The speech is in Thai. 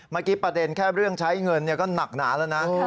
เมื่อกี้ประเด็นแค่เรื่องใช้เงินก็หนักหนาแล้วนะ